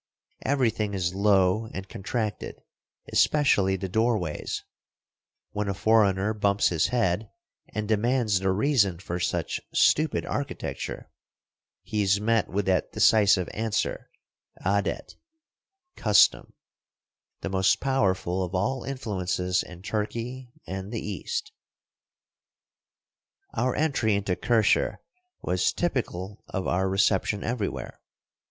Everything is low and contracted, especially the doorways. When a foreigner bumps his head, and demands the reason for such stupid architecture, he is met with that decisive answer, "Adet" — custom, the most powerful of all influences in Turkey and the East. . 3 ' ..ss — i. iaSft ' A TURKISH FLOUR MILL. 12 Across Asia on a Bicycle Our entry into Kirshehr was typical of our reception everywhere.